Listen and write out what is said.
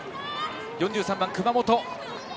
４３番、熊本。